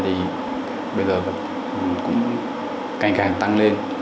thì bây giờ cũng càng càng tăng lên